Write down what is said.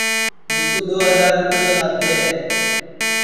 مِسکُُو دؔو ہجار رِیپئے لادھے ہے